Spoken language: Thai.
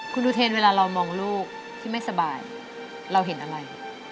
คุณอุเทนเวลาเรามองลูกที่ไม่สบายเราเห็นอะไร